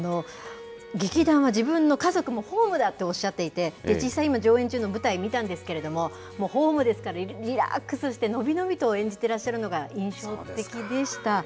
劇団は自分の家族もホームだとおっしゃっていて、実際、今上演中の舞台見たんですけれども、もうホームですから、リラックスして、伸び伸びと演じてらっしゃるのが印象的でした。